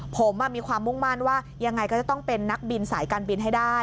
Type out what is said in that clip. ผมมีความมุ่งมั่นว่ายังไงก็จะต้องเป็นนักบินสายการบินให้ได้